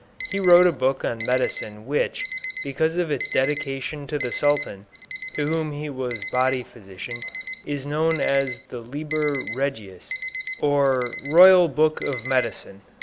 He wrote a book on medicine which, because of its dedication to the Sultan, to whom he was body physician, is known as the "Liber Regius," or "Royal Book of Medicine."